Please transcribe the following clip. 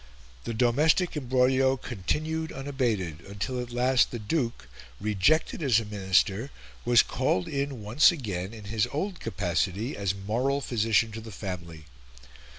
The domestic imbroglio continued unabated, until at last the Duke, rejected as a Minister, was called in once again in his old capacity as moral physician to the family.